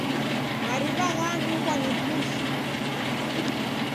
Mariw'a ghanyughwa ni pusi.